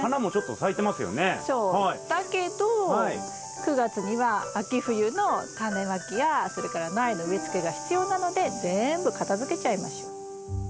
だけど９月には秋冬のタネまきやそれから苗の植えつけが必要なので全部片づけちゃいましょう。